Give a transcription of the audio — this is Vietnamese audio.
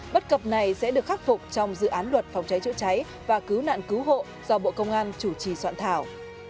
bất cập này sẽ được khắc phục trong dự án luật phòng cháy chữa cháy và cứu nạn cứu hộ do bộ công an chủ trì soạn thảo